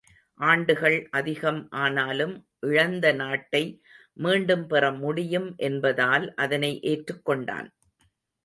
ஆண்டுகள் அதிகம் ஆனாலும் இழந்த நாட்டை மீண்டும் பெற முடியும் என்பதால் அதனை ஏற்றுக் கொண்டான்.